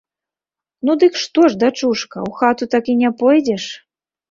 Ну, дык што ж, дачушка, у хату так і не пойдзеш?